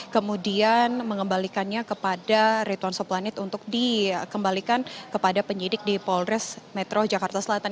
kemudian mengembalikannya kepada rituan soplanit untuk dikembalikan kepada penyidik di polres metro jakarta selatan